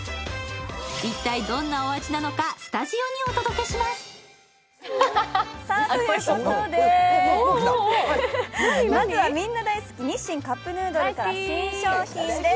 一体どんなお味なのか、スタジオにお届けします。ということでまずはみんな大好き、日清カップヌードルから新商品です。